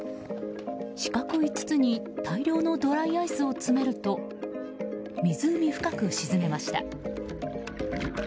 四角い筒に大量のドライアイスを詰めると湖深く沈みました。